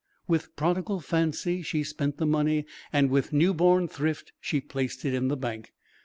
With prodigal fancy she spent the money and with new born thrift she placed it in bank.